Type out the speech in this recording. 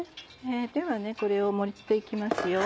ではこれを盛って行きますよ。